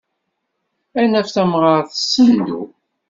Ad naf tamɣart tessendu.